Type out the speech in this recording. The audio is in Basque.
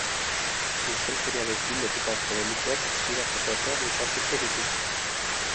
Ustelkeriarekin lotutako delituak preskribatzeko epeak luzatuko dituzte.